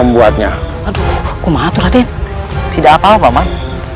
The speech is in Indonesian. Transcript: baik pak man